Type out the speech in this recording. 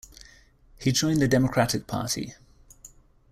He joined the Democratic Party.